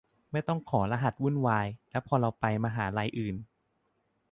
ไม่ต้องขอรหัสวุ่นวาย และพอเราไปมหาลัยอื่น